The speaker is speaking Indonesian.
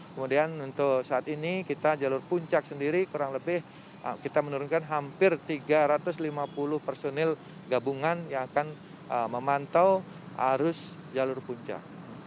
kemudian untuk saat ini kita jalur puncak sendiri kurang lebih kita menurunkan hampir tiga ratus lima puluh personil gabungan yang akan memantau arus jalur puncak